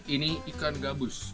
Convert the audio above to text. ini ikan gabus